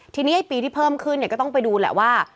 ทีนี้ไอ้ปีที่เพิ่มขึ้นเนี่ยก็ต้องไปดูแหละว่า